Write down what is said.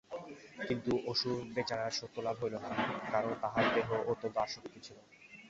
কিন্তু অসুর-বেচারার সত্যলাভ হইল না কারণ তাহার দেহে অত্যন্ত আসক্তি ছিল।